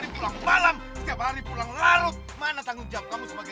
bahkan anju bambu lampunya keselamceng